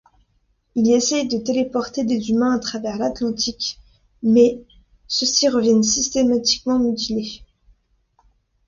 Il essaie de téléporter des humains à travers l'Atlantique, mais ceux-ci reviennent systématiquement mutilés.